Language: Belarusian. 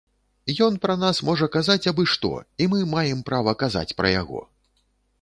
Ён пра нас можа казаць абы-што, і мы маем права казаць пра яго.